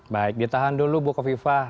baik ditahan dulu bukofifah